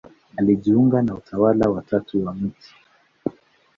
Alijiunga na Utawa wa Tatu wa Mt.